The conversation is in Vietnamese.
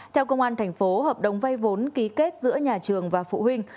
theo công an thành phố hợp đồng vay vốn ký kết giữa nhà trường và phụ huynh